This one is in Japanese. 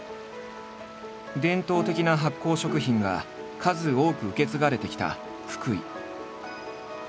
伝統的な発酵食品が数多く受け継がれてきた福井。